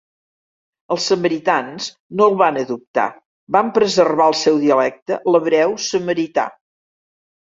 Els samaritans no el van adoptar, van preservar el seu dialecte, l'hebreu samarità.